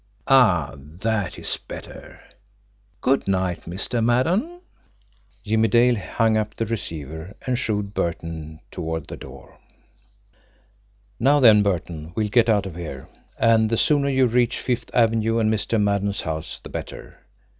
... Ah! That is better! Good night Mr. Maddon." Jimmie Dale hung up the receiver and shoved Burton toward the door. "Now then, Burton, we'll get out of her and the sooner you reach Fifth Avenue and Mr. Maddon's house the better.